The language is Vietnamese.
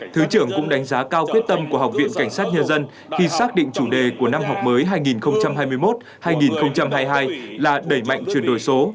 thứ trưởng cũng đánh giá cao quyết tâm của học viện cảnh sát nhân dân khi xác định chủ đề của năm học mới hai nghìn hai mươi một hai nghìn hai mươi hai là đẩy mạnh chuyển đổi số